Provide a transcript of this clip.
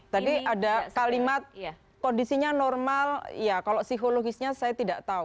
tadi ada kalimat kondisinya normal ya kalau psikologisnya saya tidak tahu